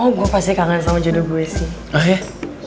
oh gue pasti kangen sama jodoh gue sih